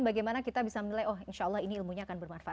bagaimana kita bisa menilai oh insya allah ini ilmunya akan bermanfaat